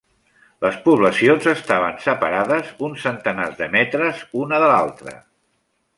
Les poblacions estaven separades uns centenars de metres una de l'altra.